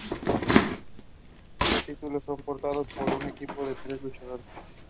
Get off your high horse.